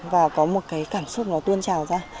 và có một cảm xúc tuôn trào ra